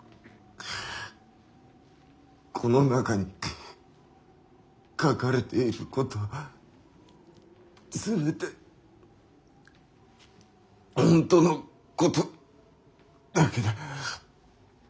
この中に書かれている事は全て「本当」の事だけだ。